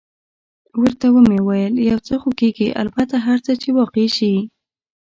ورته مې وویل: یو څه خو کېږي، البته هر څه چې واقع شي.